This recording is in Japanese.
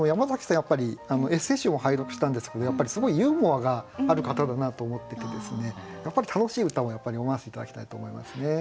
やっぱりエッセー集も拝読したんですけどやっぱりすごいユーモアがある方だなと思っててやっぱり楽しい歌を読ませて頂きたいと思いますね。